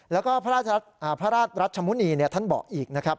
แล้วก็พระราชรัชมุณีท่านบอกอีกนะครับ